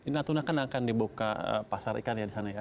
natuna akan dibuka pasar ikan ya